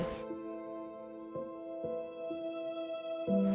พี่มีทองอยู่บาทหนึ่ง